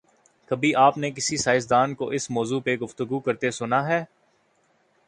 کبھی آپ نے کسی سیاستدان کو اس موضوع پہ گفتگو کرتے سنا ہے؟